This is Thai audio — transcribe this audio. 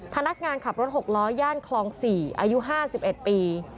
พนักงานขับรถ๖ล้อย่านคลอง๔อายุ๕๑ปี